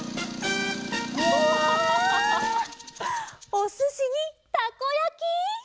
おすしにたこやき！